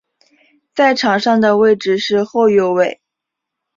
在场上的位置是右后卫。